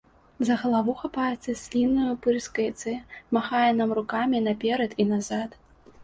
За галаву хапаецца, слінаю пырскаецца, махае нам рукамі і наперад і назад.